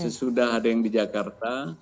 sesudah ada yang di jakarta